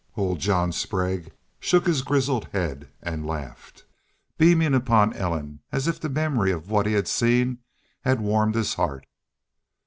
Old John Sprague shook his grizzled head and laughed, beaming upon Ellen as if the memory of what he had seen had warmed his heart.